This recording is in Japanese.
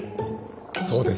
そうです。